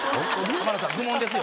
浜田さん愚問ですよ。